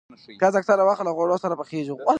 پیاز اکثره وخت له غوړو سره پخېږي